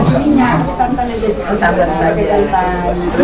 kita tumis dulu bawang merah terus ini hasilnya ya